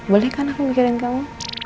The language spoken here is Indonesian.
boleh kan aku mikirin kamu